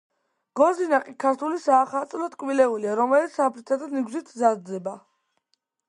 გოზინაყი ქართული საახალწლო ტკბილეულია, რომელიც თაფლითა და ნიგვზით მზადდება